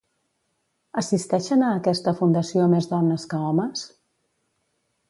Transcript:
Assisteixen a aquesta fundació més dones que homes?